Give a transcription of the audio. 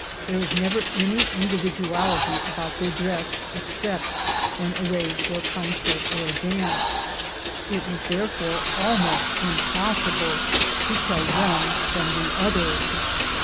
There is never any individuality about their dress unless when arrayed for a council or a dance ; it was therefore almost impossible to tell one from the other.